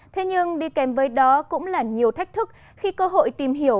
thế nhưng đi kèm với đó cũng là nhiều thách thức khi cơ hội tìm hiểu